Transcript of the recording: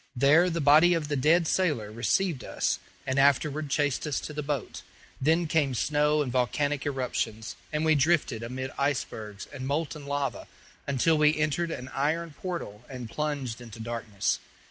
There the body of the dead sailor received us, and afterward chased us to the boat. Then came snow and volcanic eruptions, and we drifted amid icebergs and molten lava until we entered an iron portal and plunged into darkness.